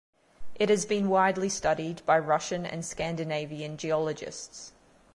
It has been widely studied by Russian and Scandinavian geologists.